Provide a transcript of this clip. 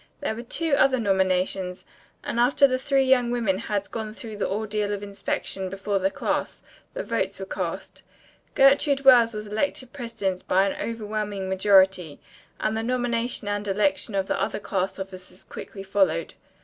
There were two other nominations, and after the three young women had gone through the ordeal of inspection before the class, the votes were cast. Gertrude Wells was elected president by an overwhelming majority, and the nomination and election of the other class officers quickly followed.